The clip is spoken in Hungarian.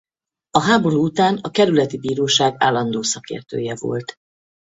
A háború után a kerületi bíróság állandó szakértője volt.